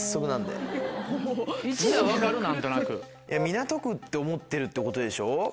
港区って思ってるってことでしょ？